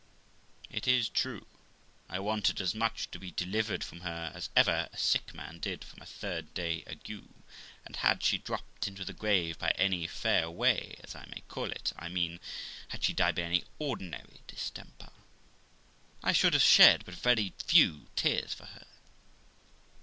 It is true, I wanted as much to be delivered from her as ever a sick man did from a third day ague ; and, had she dropped into the grave by any fair way, as I may call it, I mean, had she died by any ordinary distemper, I should have shed but very few tears for her.